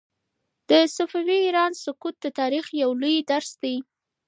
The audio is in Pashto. د صفوي ایران سقوط د تاریخ یو لوی درس دی.